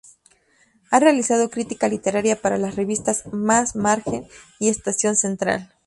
Ha realizado crítica literaria para las revistas Más Margen y Estación Central.